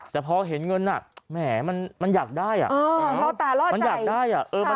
แต่พอเห็นเงินอ่ะแหมมันมันอยากได้อ่ะเออล่อตาล่อใจมันอยากได้อ่ะเออ